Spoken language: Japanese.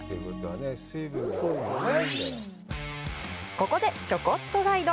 ここで、ちょこっとガイド。